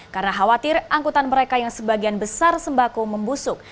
karena khawatir angkutan mereka yang sebagian besar sembako membusuk